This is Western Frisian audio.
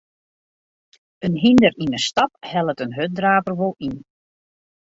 In hynder yn 'e stap hellet in hurddraver wol yn.